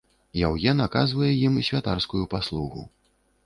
Яўген аказвае ім святарскую паслугу.